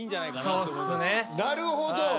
なるほど。